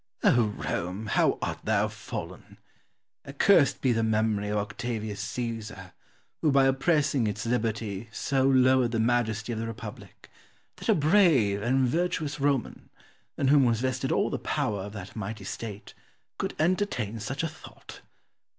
Oh, Rome, how art thou fallen! Accursed be the memory of Octavius Caesar, who by oppressing its liberty so lowered the majesty of the republic, that a brave and virtuous Roman, in whom was vested all the power of that mighty state, could entertain such a thought!